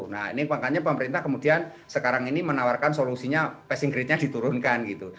nah ini makanya pemerintah kemudian sekarang ini menawarkan solusinya passing grade nya diturunkan gitu